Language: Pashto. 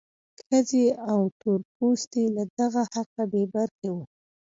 ښځې او تور پوستي له دغه حقه بې برخې وو.